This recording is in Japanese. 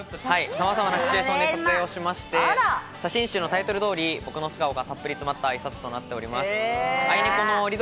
さまざまなシチュエーションで撮影をしまして、写真集のタイトル通り、僕の素顔がたっぷり詰まった一冊となっています。